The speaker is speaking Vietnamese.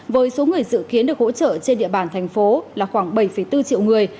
với số người dự kiến được hỗ trợ trên địa bàn thành phố là khoảng bảy bốn triệu người